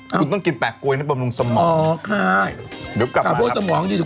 คุณต้องกินแปลกกลวยให้ประมวลงสมองอ๋อค่ะเดี๋ยวกับถ้าพูดสมองดีสิ